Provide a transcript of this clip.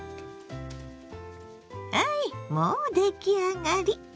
はいもう出来上がり！